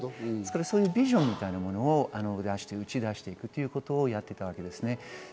そういうビジョンみたいなものを出していくということをやっていたわけです。